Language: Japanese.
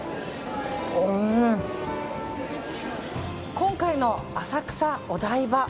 今回の浅草、お台場。